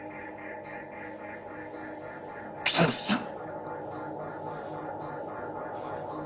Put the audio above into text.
北之口さん！！